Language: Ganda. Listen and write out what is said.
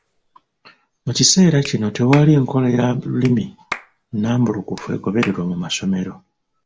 Mu kiseera kino tewali nkola ya lulimi nnambulukufu egobererwa mu masomero.